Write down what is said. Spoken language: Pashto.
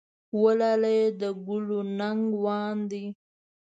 وه لالی د ګلو نګه وان دی.